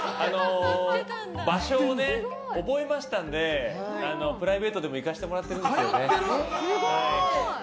場所を覚えましたのでプライベートでも行かせてもらっているんです。